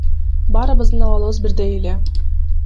Баарыбыздын абалыбыз бирдей эле.